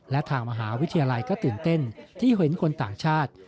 และทางมหาวิทยาลัยก็ตื่นเต้นที่เห็นคนต่างชาติ